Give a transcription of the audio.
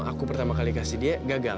aku pertama kali ngasih dia gagal